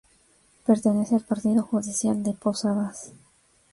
Pertenece al partido judicial de Posadas.